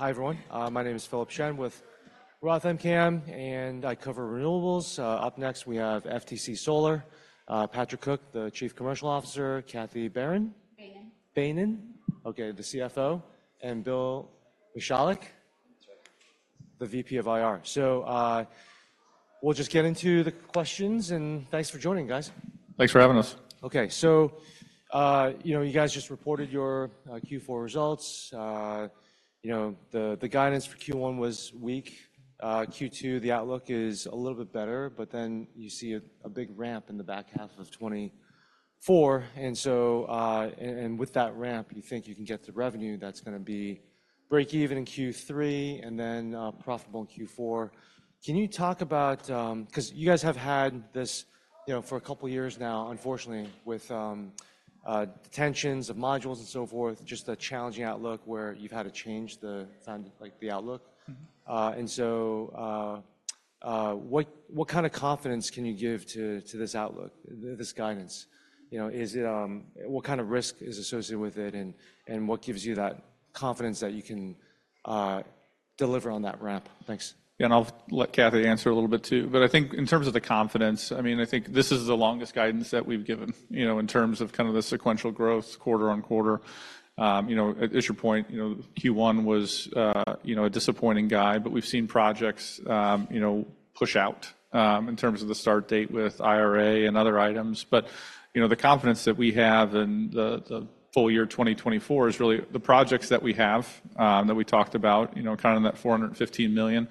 Hi everyone. My name is Philip Shen with ROTH MKM, and I cover renewables. Up next we have FTC Solar, Patrick Cook, the Chief Commercial Officer, Cathy Behnen. Behnen. Behnen, okay, the CFO. And Bill Michalek? That's right. The VP of IR. So, we'll just get into the questions, and thanks for joining, guys. Thanks for having us. Okay, so, you know, you guys just reported your Q4 results. You know, the guidance for Q1 was weak. Q2, the outlook is a little bit better, but then you see a big ramp in the back half of 2024. And so, with that ramp, you think you can get the revenue that's gonna be break-even in Q3 and then profitable in Q4. Can you talk about 'cause you guys have had this, you know, for a couple years now, unfortunately, with detentions of modules and so forth, just a challenging outlook where you've had to change the forecast, like, the outlook. And so, what kind of confidence can you give to this outlook, this guidance? You know, is it what kind of risk is associated with it, and what gives you that confidence that you can deliver on that ramp? Thanks. Yeah, and I'll let Cathy answer a little bit too. But I think in terms of the confidence, I mean, I think this is the longest guidance that we've given, you know, in terms of kind of the sequential growth quarter on quarter. You know, at your point, you know, Q1 was, you know, a disappointing guide, but we've seen projects, you know, push out, in terms of the start date with IRA and other items. But, you know, the confidence that we have in the full year 2024 is really the projects that we have, that we talked about, you know, kind of in that $415 million,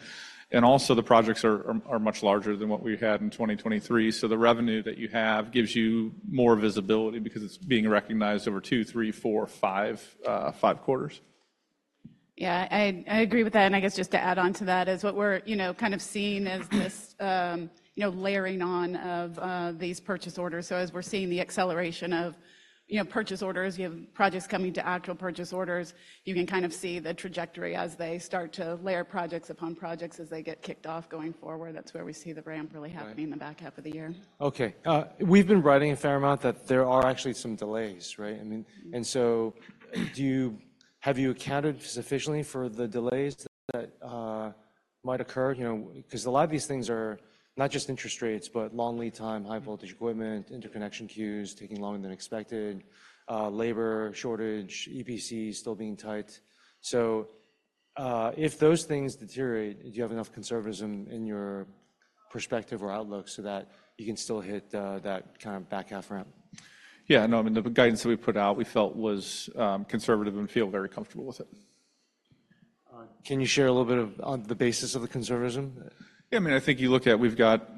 and also the projects are much larger than what we had in 2023. So the revenue that you have gives you more visibility because it's being recognized over two, three, four, five, five quarters. Yeah, I agree with that. I guess just to add on to that is what we're, you know, kind of seeing is this, you know, layering on of these purchase orders. So as we're seeing the acceleration of, you know, purchase orders, you have projects coming to actual purchase orders, you can kind of see the trajectory as they start to layer projects upon projects as they get kicked off going forward. That's where we see the ramp really happening in the back half of the year. Okay. We've been writing a fair amount that there are actually some delays, right? I mean, and so have you accounted sufficiently for the delays that might occur? You know, 'cause a lot of these things are not just interest rates, but long lead time, high voltage equipment, interconnection queues taking longer than expected, labor shortage, EPCs still being tight. So, if those things deteriorate, do you have enough conservatism in your perspective or outlook so that you can still hit that kind of back half ramp? Yeah, no, I mean, the guidance that we put out, we felt was conservative and feel very comfortable with it. Can you share a little bit on the basis of the conservatism? Yeah, I mean, I think you look at we've got,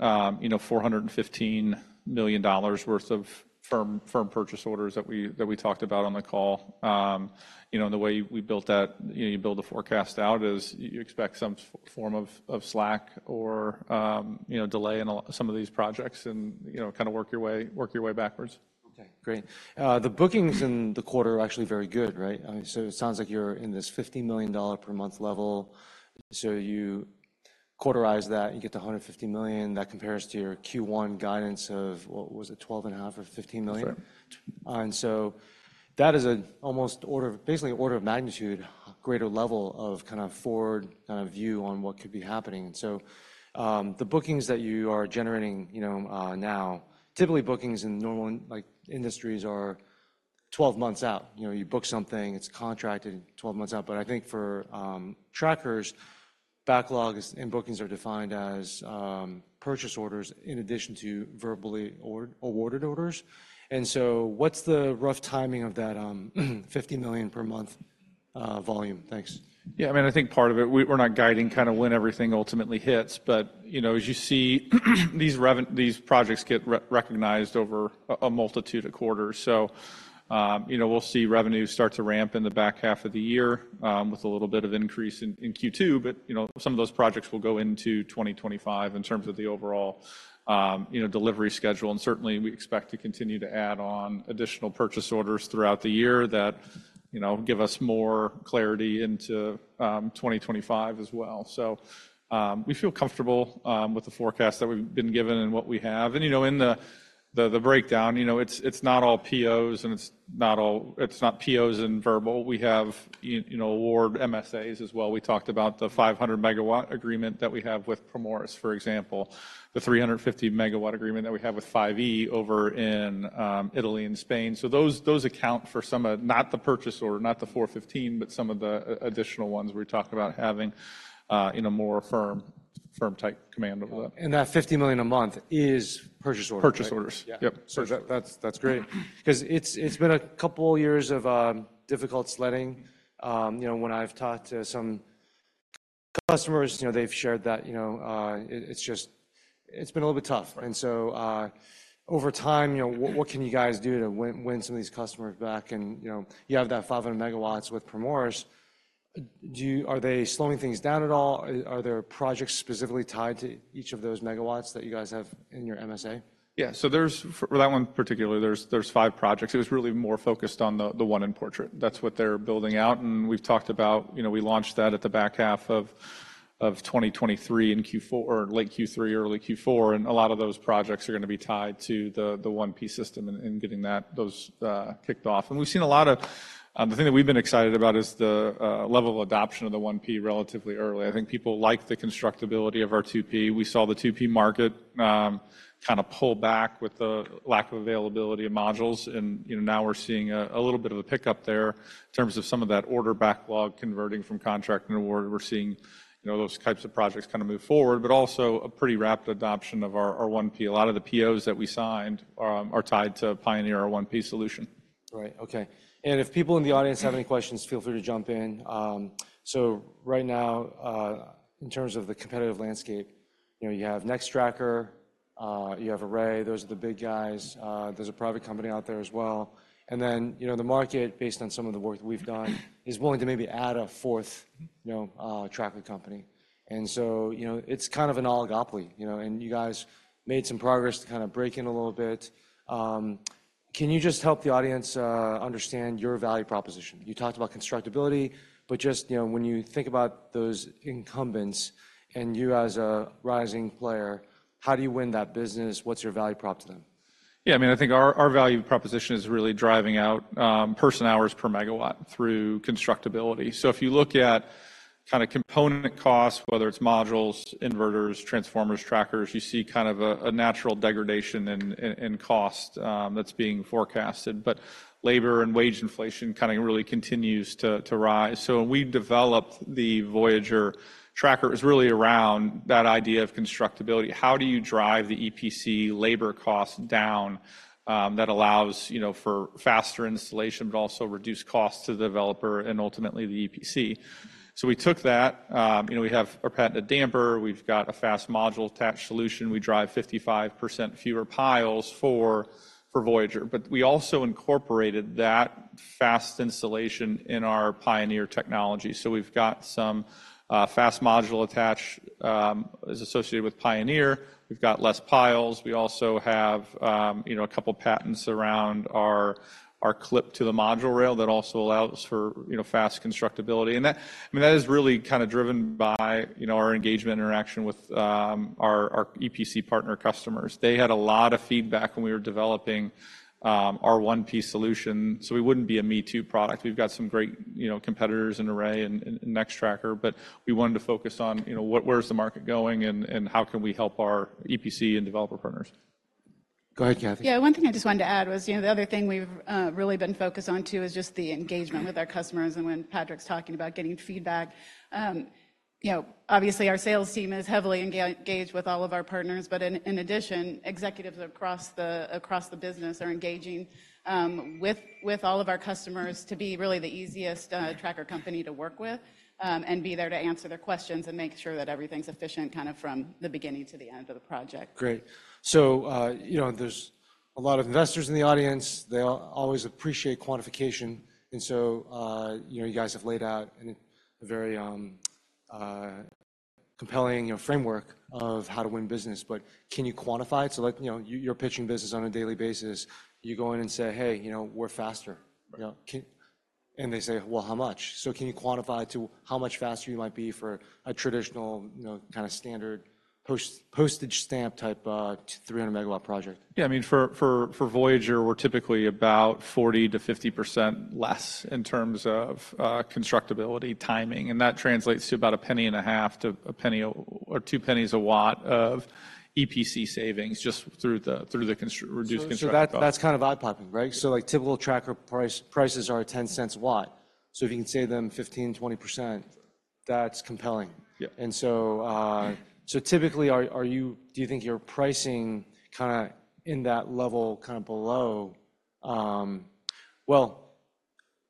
you know, $415 million worth of firm, firm purchase orders that we that we talked about on the call. You know, and the way we built that, you know, you build a forecast out is you expect some form of slack or, you know, delay in all some of these projects and, you know, kind of work your way work your way backwards. Okay, great. The bookings in the quarter are actually very good, right? I mean, so it sounds like you're in this $50 million per month level. So you quarterize that, you get to $150 million. That compares to your Q1 guidance of what was it, $12.5 million or $15 million? That's right. That is an almost order of basically order of magnitude greater level of kind of forward kind of view on what could be happening. So, the bookings that you are generating, you know, now, typically bookings in normal, like, industries are 12 months out. You know, you book something, it's contracted 12 months out. But I think for trackers, backlog is and bookings are defined as purchase orders in addition to verbally awarded orders. So what's the rough timing of that $50 million per month volume? Thanks. Yeah, I mean, I think part of it, we, we're not guiding kind of when everything ultimately hits. But, you know, as you see, these revenue projects get recognized over a multitude of quarters. So, you know, we'll see revenue start to ramp in the back half of the year, with a little bit of increase in Q2. But, you know, some of those projects will go into 2025 in terms of the overall, you know, delivery schedule. And certainly we expect to continue to add on additional purchase orders throughout the year that, you know, give us more clarity into 2025 as well. So, we feel comfortable with the forecast that we've been given and what we have. And, you know, in the breakdown, you know, it's not all POs and it's not all verbal. We have, you know, awarded MSAs as well. We talked about the 500-megawatt agreement that we have with Primoris, for example, the 350-megawatt agreement that we have with 5E over in Italy and Spain. So those, those account for some of not the purchase order, not the 415, but some of the additional ones we talk about having, you know, more firm, firm-type command over that. That $50 million a month is purchase orders? Purchase orders. Yeah. Yep. So that's great. 'Cause it's been a couple years of difficult sledding. You know, when I've talked to some customers, you know, they've shared that, you know, it's just been a little bit tough. And so, over time, you know, what can you guys do to win some of these customers back? And, you know, you have that 500 MW with Primoris. Are they slowing things down at all? Are there projects specifically tied to each of those megawatts that you guys have in your MSA? Yeah, so there's five for that one particularly. There's five projects. It was really more focused on the one-in-portrait. That's what they're building out. And we've talked about, you know, we launched that at the back half of 2023 in Q4 or late Q3, early Q4. And a lot of those projects are gonna be tied to the 1P system and getting those kicked off. And we've seen a lot of the thing that we've been excited about is the level of adoption of the 1P relatively early. I think people like the constructability of our 2P. We saw the 2P market kind of pull back with the lack of availability of modules. And, you know, now we're seeing a little bit of a pickup there in terms of some of that order backlog converting from contract and award. We're seeing, you know, those types of projects kind of move forward, but also a pretty rapid adoption of our, our 1P. A lot of the POs that we signed are tied to Pioneer, our 1P solution. Right, okay. And if people in the audience have any questions, feel free to jump in. So right now, in terms of the competitive landscape, you know, you have Nextracker, you have Array. Those are the big guys. There's a private company out there as well. And then, you know, the market, based on some of the work that we've done, is willing to maybe add a fourth, you know, tracking company. And so, you know, it's kind of an oligopoly, you know, and you guys made some progress to kind of break in a little bit. Can you just help the audience understand your value proposition? You talked about constructability, but just, you know, when you think about those incumbents and you as a rising player, how do you win that business? What's your value prop to them? Yeah, I mean, I think our value proposition is really driving out person hours per megawatt through constructability. So if you look at kind of component costs, whether it's modules, inverters, transformers, trackers, you see kind of a natural degradation in cost that's being forecasted. But labor and wage inflation kind of really continues to rise. So when we developed the Voyager tracker, it was really around that idea of constructability. How do you drive the EPC labor cost down, that allows, you know, for faster installation but also reduced costs to the developer and ultimately the EPC? So we took that, you know, we have a patented damper. We've got a fast module attached solution. We drive 55% fewer piles for Voyager. But we also incorporated that fast installation in our Pioneer technology. So we've got some fast module attachment associated with Pioneer. We've got less piles. We also have, you know, a couple patents around our clip to the module rail that also allows for, you know, fast constructability. And that, I mean, that is really kind of driven by, you know, our engagement interaction with our EPC partner customers. They had a lot of feedback when we were developing our 1P solution. So we wouldn't be a me-too product. We've got some great, you know, competitors in Array and Nextracker, but we wanted to focus on, you know, where the market is going and how can we help our EPC and developer partners? Go ahead, Cathy. Yeah, one thing I just wanted to add was, you know, the other thing we've really been focused on too is just the engagement with our customers. And when Patrick's talking about getting feedback, you know, obviously our sales team is heavily engaged with all of our partners. But in addition, executives across the business are engaging with all of our customers to be really the easiest tracker company to work with, and be there to answer their questions and make sure that everything's efficient kind of from the beginning to the end of the project. Great. So, you know, there's a lot of investors in the audience. They always appreciate quantification. And so, you know, you guys have laid out a very compelling, you know, framework of how to win business. But can you quantify it? So like, you know, you're pitching business on a daily basis. You go in and say, "Hey, you know, we're faster." You know, and they say, "Well, how much?" So can you quantify to how much faster you might be for a traditional, you know, kind of standard postage stamp type, 300-megawatt project? Yeah, I mean, for Voyager, we're typically about 40%-50% less in terms of constructability timing. And that translates to about $0.015-$0.02 a watt of EPC savings just through the reduced constructability. So that's kind of eye-popping, right? So like, typical tracker prices are $0.10 a watt. So if you can save them 15%-20%, that's compelling. Yeah. So typically, do you think you're pricing kind of in that level kind of below? Well,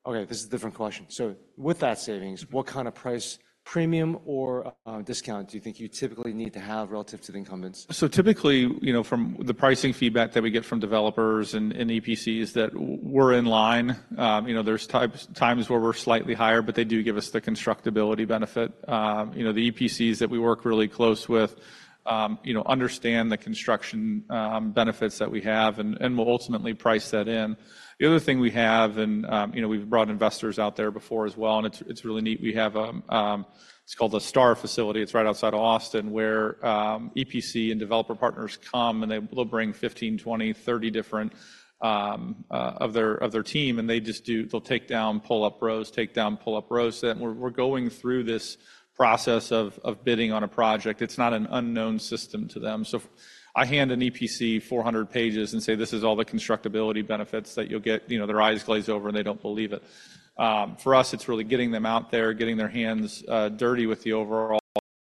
okay, this is a different question. So with that savings, what kind of price premium or discount do you think you typically need to have relative to the incumbents? So typically, you know, from the pricing feedback that we get from developers and EPCs that we're in line, you know, there are times where we're slightly higher, but they do give us the constructability benefit. You know, the EPCs that we work really close with, you know, understand the construction benefits that we have and will ultimately price that in. The other thing we have and, you know, we've brought investors out there before as well. And it's really neat. We have a; it's called the STAR facility. It's right outside of Austin where EPC and developer partners come, and they'll bring 15, 20, 30 different of their team. And they just do; they'll take down, pull up rows, take down, pull up rows. And we're going through this process of bidding on a project. It's not an unknown system to them. So I hand an EPC 400 pages and say, "This is all the constructability benefits that you'll get." You know, their eyes glaze over, and they don't believe it. For us, it's really getting them out there, getting their hands dirty with the overall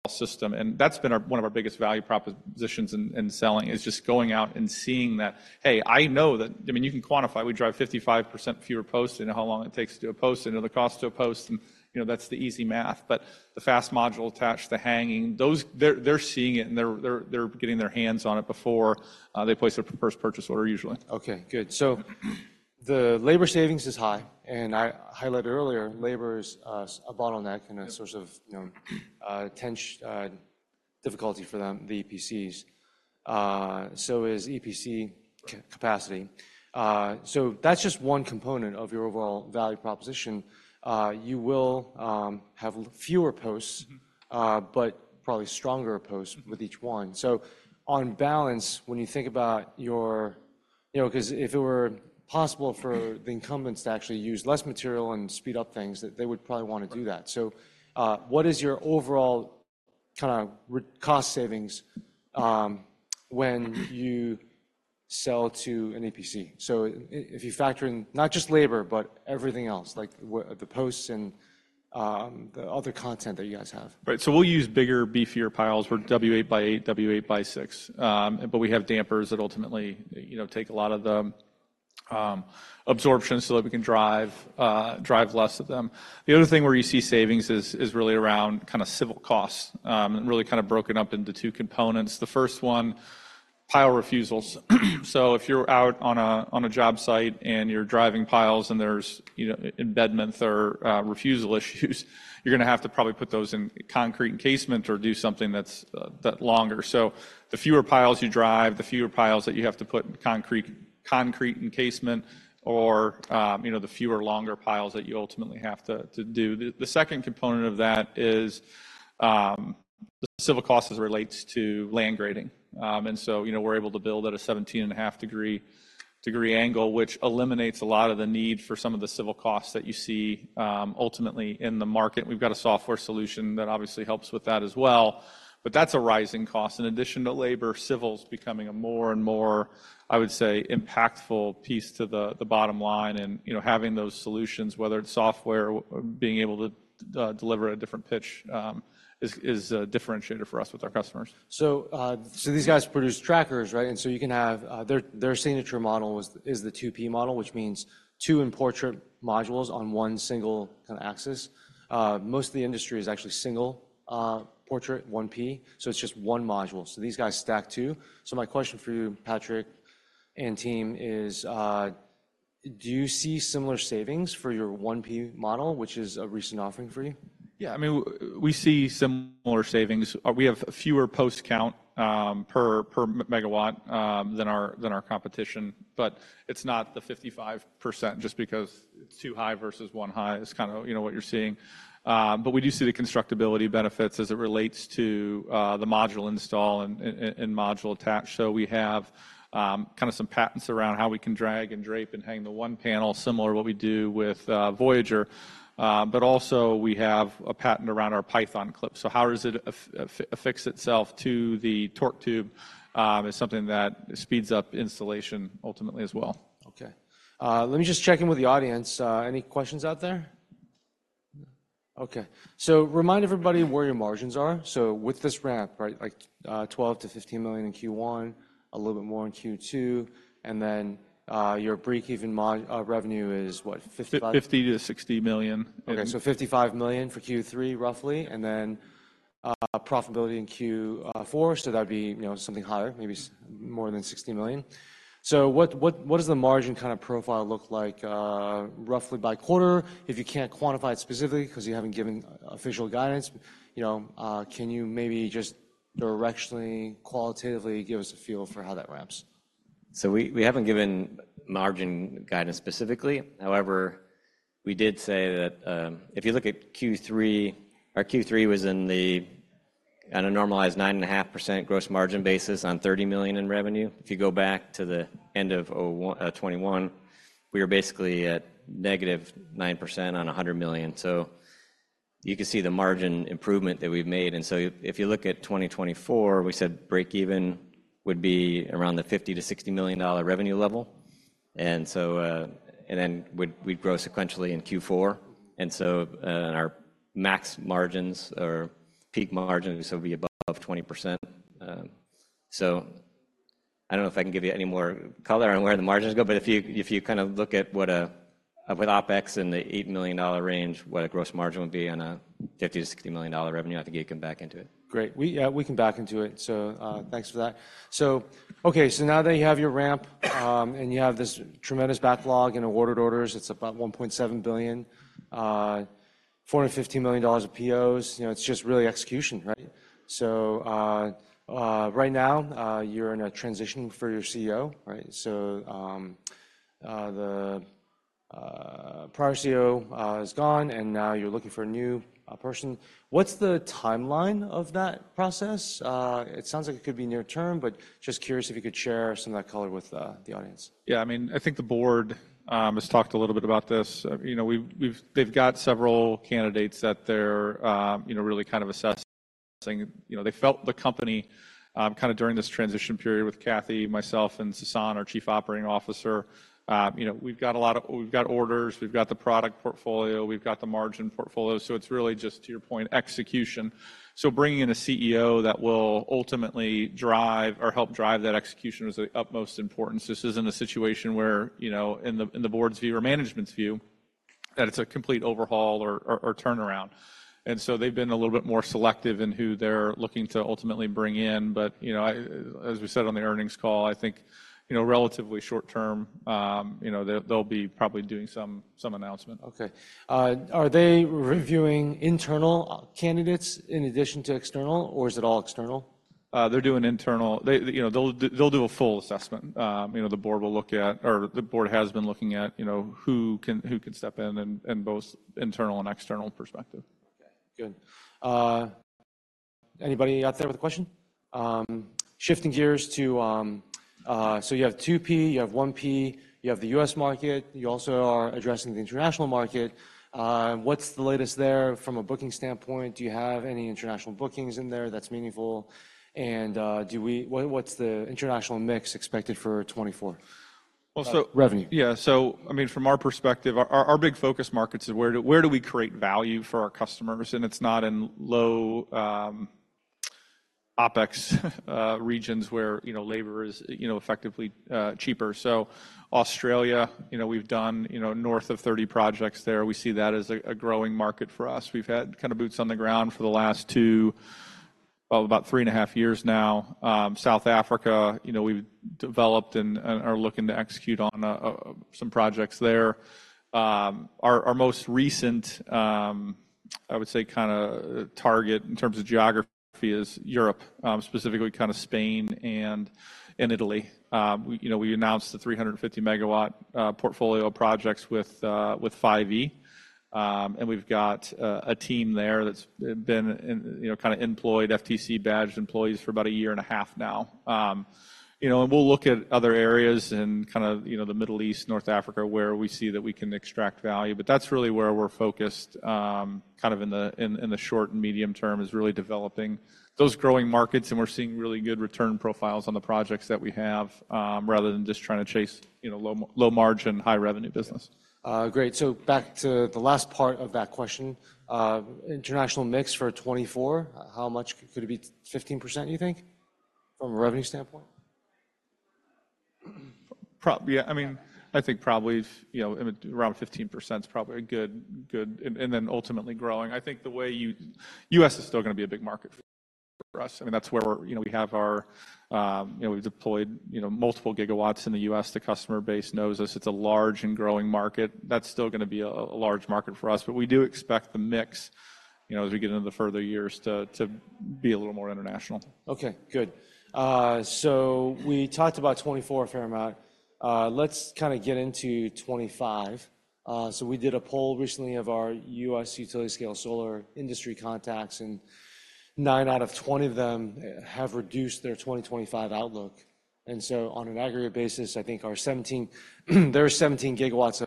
system. And that's been one of our biggest value propositions in selling is just going out and seeing that, "Hey, I know that." I mean, you can quantify. We drive 55% fewer posts and how long it takes to do a post and the cost to a post. And, you know, that's the easy math. But the fast module attached, the hanging, those they're seeing it, and they're getting their hands on it before they place their first purchase order usually. Okay, good. So the labor savings is high. And I highlighted earlier, labor is a bottleneck and a source of, you know, tension, difficulty for them, the EPCs. So is EPC capacity. So that's just one component of your overall value proposition. You will have fewer posts, but probably stronger posts with each one. So on balance, when you think about your, you know, 'cause if it were possible for the incumbents to actually use less material and speed up things, that they would probably wanna do that. So, what is your overall kind of real cost savings, when you sell to an EPC? So if you factor in not just labor but everything else, like with the posts and the other components that you guys have. Right, so we'll use bigger, beefier piles. We're W8x8, W8x6. But we have dampers that ultimately, you know, take a lot of the absorption so that we can drive less of them. The other thing where you see savings is really around kind of civil costs, really kind of broken up into two components. The first one, pile refusals. So if you're out on a job site and you're driving piles and there's, you know, embedment or refusal issues, you're gonna have to probably put those in concrete encasement or do something that's longer. So the fewer piles you drive, the fewer piles that you have to put in concrete encasement or, you know, the fewer longer piles that you ultimately have to do. The second component of that is the civil costs as it relates to land grading. You know, we're able to build at a 17.5-degree angle, which eliminates a lot of the need for some of the civil costs that you see, ultimately in the market. We've got a software solution that obviously helps with that as well. But that's a rising cost. In addition to labor, civil's becoming a more and more, I would say, impactful piece to the bottom line. And, you know, having those solutions, whether it's software, being able to deliver a different pitch, is a differentiator for us with our customers. So these guys produce trackers, right? And so you can have their signature model, which is the 2P model, which means two-in-portrait modules on one single kind of axis. Most of the industry is actually single portrait, 1P. So it's just one module. So these guys stack two. So my question for you, Patrick and team, is, do you see similar savings for your 1P model, which is a recent offering for you? Yeah, I mean, we see similar savings. We have fewer post count per megawatt than our competition. But it's not the 55% just because it's two high versus one high is kind of, you know, what you're seeing. But we do see the constructability benefits as it relates to the module install and module attached. So we have kind of some patents around how we can drag and drape and hang the one panel, similar to what we do with Voyager. But also we have a patent around our Python clip. So how does it affix itself to the torque tube is something that speeds up installation ultimately as well. Okay. Let me just check in with the audience. Any questions out there? Okay. So remind everybody where your margins are. So with this ramp, right, like, $12 million-$15 million in Q1, a little bit more in Q2, and then, your break-even mod revenue is what, $55 million? $50 million-$60 million. Okay, so $55 million for Q3 roughly. And then, profitability in Q4. So that'd be, you know, something higher, maybe some more than $60 million. So what does the margin kind of profile look like, roughly by quarter? If you can't quantify it specifically 'cause you haven't given official guidance, you know, can you maybe just directionally, qualitatively give us a feel for how that ramps? So we, we haven't given margin guidance specifically. However, we did say that, if you look at Q3 our Q3 was in the on a normalized 9.5% gross margin basis on $30 million in revenue. If you go back to the end of 2021, we were basically at -9% on $100 million. So you can see the margin improvement that we've made. And so if you look at 2024, we said break-even would be around the $50 million-$60 million revenue level. And so, and then we'd, we'd grow sequentially in Q4. And so, our max margins or peak margins would still be above 20%. So I don't know if I can give you any more color on where the margins go. But if you kind of look at what, with OpEx in the $8 million range, what a gross margin would be on a $50-$60 million revenue, I think you can back into it. Great. We can back into it. So, thanks for that. So, okay, so now that you have your ramp, and you have this tremendous backlog in awarded orders, it's about $1.7 billion, $415 million of POs. You know, it's just really execution, right? So, right now, you're in a transition for your CEO, right? So, the prior CEO is gone, and now you're looking for a new person. What's the timeline of that process? It sounds like it could be near term, but just curious if you could share some of that color with the audience. Yeah, I mean, I think the board has talked a little bit about this. You know, they've got several candidates that they're, you know, really kind of assessing. You know, they felt the company, kind of during this transition period with Cathy, myself, and Sassan, our Chief Operating Officer, you know, we've got a lot. We've got orders. We've got the product portfolio. We've got the margin portfolio. So it's really just, to your point, execution. So bringing in a CEO that will ultimately drive or help drive that execution is of the utmost importance. This isn't a situation where, you know, in the board's view or management's view, that it's a complete overhaul or turnaround. So they've been a little bit more selective in who they're looking to ultimately bring in. You know, as we said on the earnings call, I think, you know, relatively short term, you know, they'll probably be doing some announcement. Okay. Are they reviewing internal candidates in addition to external, or is it all external? They're doing internal. They, you know, they'll do a full assessment. You know, the board will look at or the board has been looking at, you know, who can step in and both internal and external perspective. Okay, good. Anybody out there with a question? Shifting gears to, so you have 2P. You have 1P. You have the U.S. market. You also are addressing the international market. What's the latest there from a booking standpoint? Do you have any international bookings in there that's meaningful? And, what's the international mix expected for 2024? Well, so. Revenue. Yeah, so I mean, from our perspective, our big focus markets is where do we create value for our customers? And it's not in low OpEx regions where, you know, labor is, you know, effectively cheaper. So Australia, you know, we've done, you know, north of 30 projects there. We see that as a growing market for us. We've had kind of boots on the ground for the last two, well, about three and a half years now. South Africa, you know, we've developed and are looking to execute on some projects there. Our most recent, I would say kind of target in terms of geography is Europe, specifically kind of Spain and Italy. We, you know, we announced the 350-megawatt portfolio of projects with 5E. and we've got a team there that's been, you know, kind of employed FTC-badged employees for about a year and a half now. You know, and we'll look at other areas and kind of, you know, the Middle East, North Africa where we see that we can extract value. But that's really where we're focused, kind of in the short and medium term is really developing those growing markets. And we're seeing really good return profiles on the projects that we have, rather than just trying to chase, you know, low, low-margin, high-revenue business. Great. So back to the last part of that question. International mix for 2024, how much could it be 15%, you think, from a revenue standpoint? Probably yeah, I mean, I think probably, you know, around 15% is probably a good, good and, and then ultimately growing. I think, you know, the U.S. is still gonna be a big market for us. I mean, that's where we're, you know, we have our, you know, we've deployed, you know, multiple gigawatts in the U.S. The customer base knows us. It's a large and growing market. That's still gonna be a, a large market for us. But we do expect the mix, you know, as we get into the further years to, to be a little more international. Okay, good. So we talked about 2024 a fair amount. Let's kind of get into 2025. So we did a poll recently of our U.S. utility-scale solar industry contacts, and 9 out of 20 of them have reduced their 2025 outlook. And so on an aggregate basis, I think our 17 their 17 gigawatts of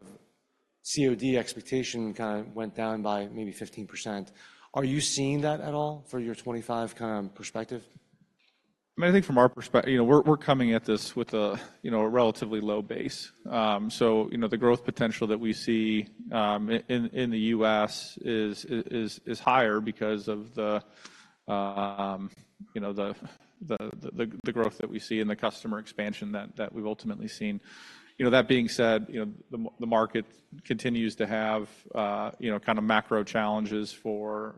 COD expectation kind of went down by maybe 15%. Are you seeing that at all for your 2025 kind of perspective? I mean, I think from our perspective you know, we're coming at this with a you know, a relatively low base. So you know, the growth potential that we see in the U.S. is higher because of the you know, the growth that we see and the customer expansion that we've ultimately seen. You know, that being said, you know, the market continues to have you know, kind of macro challenges for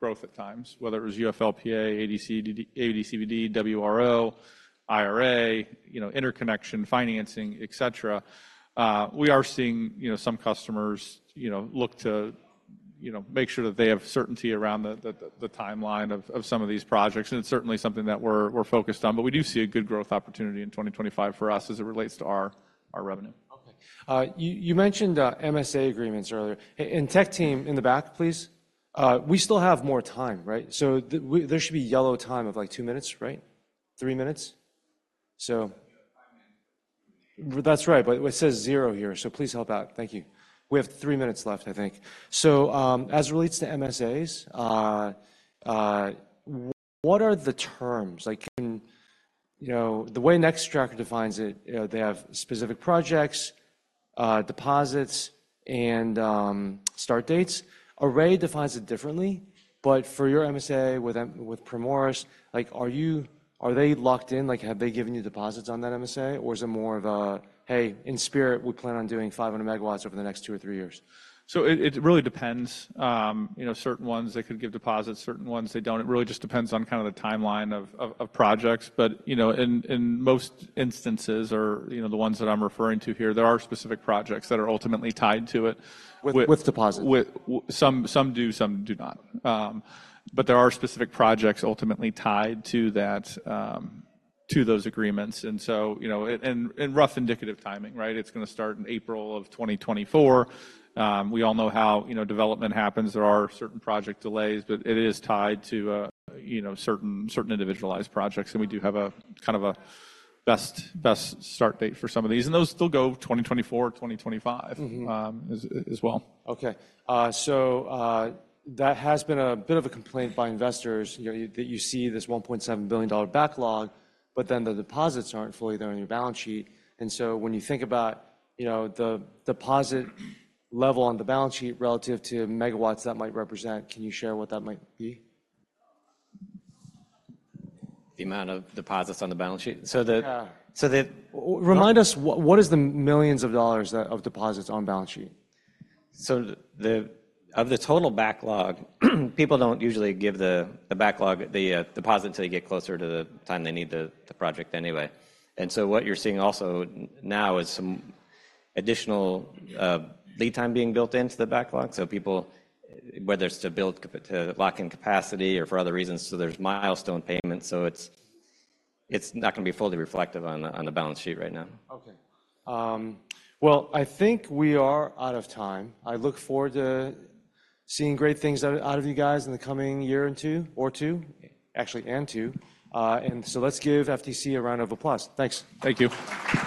growth at times, whether it was UFLPA, AD/CVD, WRO, IRA, you know, interconnection financing, etc. We are seeing you know, some customers you know, look to you know, make sure that they have certainty around the timeline of some of these projects. And it's certainly something that we're focused on. But we do see a good growth opportunity in 2025 for us as it relates to our revenue. Okay. You, you mentioned MSA agreements earlier. Hey, and tech team in the back, please. We still have more time, right? So the we there should be yellow time of like two minutes, right? Three minutes? So. We have five minutes for Q&A. That's right. But it says zero here, so please help out. Thank you. We have three minutes left, I think. So, as it relates to MSAs, what are the terms? Like, can you know, the way Nextracker defines it, you know, they have specific projects, deposits, and start dates. Array defines it differently. But for your MSA with Primoris, like, are you are they locked in? Like, have they given you deposits on that MSA? Or is it more of a, "Hey, in spirit, we plan on doing 500 megawatts over the next two or three years"? So it really depends. You know, certain ones, they could give deposits. Certain ones, they don't. It really just depends on kind of the timeline of projects. But, you know, in most instances or, you know, the ones that I'm referring to here, there are specific projects that are ultimately tied to it with. With deposits? With some, some do. Some do not. But there are specific projects ultimately tied to that, to those agreements. And so, you know, it and, and rough indicative timing, right? It's gonna start in April of 2024. We all know how, you know, development happens. There are certain project delays. But it is tied to, you know, certain, certain individualized projects. And we do have a kind of a best, best start date for some of these. And those still go 2024, 2025, as, as well. Okay, so that has been a bit of a complaint by investors, you know, that you see this $1.7 billion backlog, but then the deposits aren't fully there on your balance sheet. And so when you think about, you know, the deposit level on the balance sheet relative to megawatts that might represent, can you share what that might be? The amount of deposits on the balance sheet? So the. Yeah. So to remind us, what is the millions of dollars of deposits on the balance sheet? So of the total backlog, people don't usually give the deposit till they get closer to the time they need the project anyway. And so what you're seeing also now is some additional lead time being built into the backlog. So people whether it's to build to lock in capacity or for other reasons. So there's milestone payments. So it's not gonna be fully reflective on the balance sheet right now. Okay. Well, I think we are out of time. I look forward to seeing great things out of you guys in the coming year or two, actually. So let's give FTC a round of applause. Thanks. Thank you.